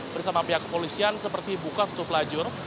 bersama pihak kepolisian seperti buka tutup lajur